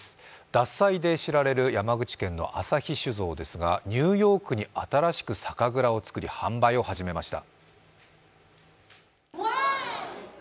獺祭で知られる山口県の旭酒造ですがニューヨークに新しく酒蔵をつくり販売を始めました。